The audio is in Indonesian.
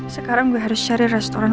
sekarang gue harus cari restoran